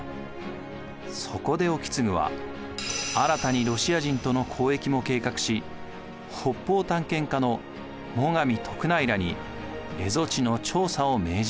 そこで意次は新たにロシア人との交易も計画し北方探検家の最上徳内らに蝦夷地の調査を命じました。